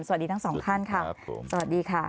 สวัสดีทั้งสองท่านค่ะสวัสดีค่ะ